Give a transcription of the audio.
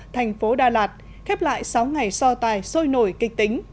thành phố đà lạt khép lại sáu ngày so tài sôi nổi kịch tính